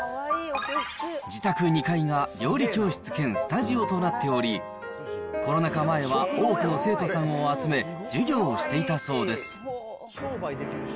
自宅２階が料理教室兼スタジオとなっており、コロナ禍前は、多くの生徒さんを集め、授業をしていたそうです。